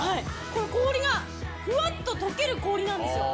これ、氷が、ふわっと溶ける氷なんですよ。